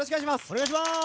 お願いします。